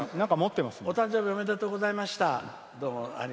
お誕生日おめでとうございました。